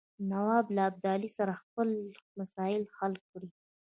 نواب له ابدالي سره خپل مسایل حل کړي.